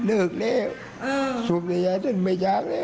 เลิกเลยสุขระยะถึงไม่ยากเลย